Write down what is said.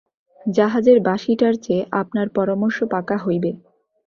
জাহাজের বাঁশিটার চেয়ে আপনার পরামর্শ পাকা হইবে।